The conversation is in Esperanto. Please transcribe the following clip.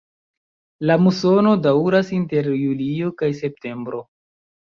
La musono daŭras inter julio kaj septembro.